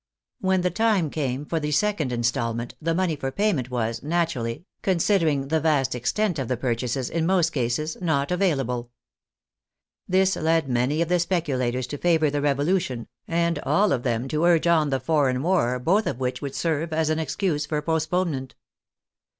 When the time came for the second instalment, the money for payment was, no THE NATIONAL PROPERTY m naturally, considering the vast extent of the purchases, in most cases not available. This led many of the specu lators to favor the Revolution, and all of them to urge on the foreign war, both of which would serve as an ex cuse for postponement.